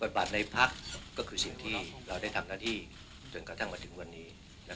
ในพักก็คือสิ่งที่เราได้ทำหน้าที่จนกระทั่งมาถึงวันนี้